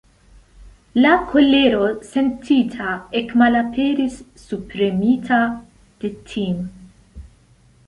La kolero sentita ekmalaperis, subpremita de tim'.